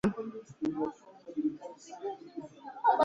It consists of just a long stone laid across the river.